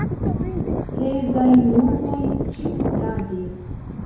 Pezaj nuboj ĉiutage.